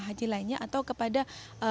haji lainnya atau kepada